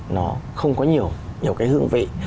nó không có nhiều cái hương vị